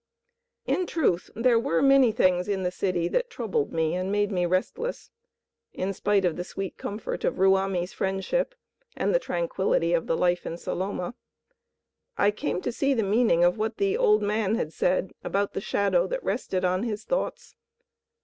In truth there were many things in the city that troubled me and made me restless, in spite of the sweet comfort of Ruamie's friendship and the tranquillity of the life in Saloma. I came to see the meaning of what the old man had said about the shadow that rested upon his thoughts.